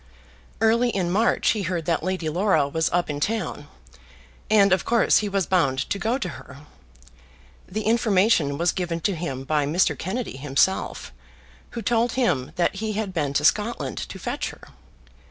Early in March he heard that Lady Laura was up in town, and of course he was bound to go to her. The information was given to him by Mr. Kennedy himself, who told him that he had been to Scotland to fetch her.